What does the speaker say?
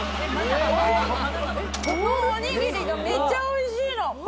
このおにぎりがめちゃおいしいの。